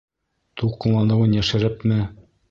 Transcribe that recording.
Тулҡынланыуын йәшерепме: